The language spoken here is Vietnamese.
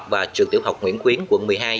và trường tiểu học nguyễn khuyến quận một mươi hai